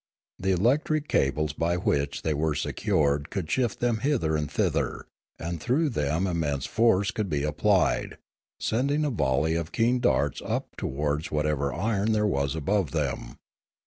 The electric cables by which they were secured could shift them hither and thither; and through them im mense force could be applied, sending a volley of keen darts up towards whatever iron there was above them.